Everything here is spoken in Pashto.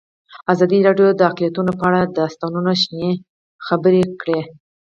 ازادي راډیو د اقلیتونه په اړه د استادانو شننې خپرې کړي.